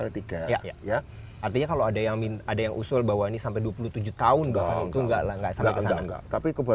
artinya kalau ada yang usul bahwa ini sampai dua puluh tujuh tahun itu nggak sampai ke sana